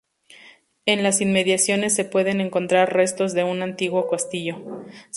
En las inmediaciones se pueden encontrar restos de un antiguo castillo.